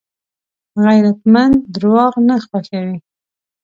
غیرتمند درواغ نه خوښوي